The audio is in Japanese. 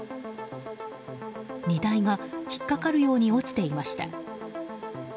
荷台が引っかかるように落ちていました。